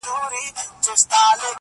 د پېغلوټو تر پاپیو به شم لاندي-